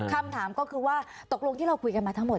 คำถามก็คือว่าตกลงที่เราคุยกันมาทั้งหมด